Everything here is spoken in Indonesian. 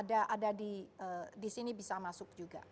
ada di sini bisa masuk juga